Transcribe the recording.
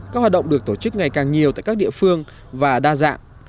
các hoạt động được tổ chức ngày càng nhiều tại các địa phương và đa dạng